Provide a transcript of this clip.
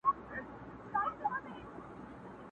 ملکه له تخته پورته په هوا سوه!